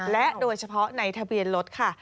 และโดยเฉพาะในทะเบียนรถค่ะ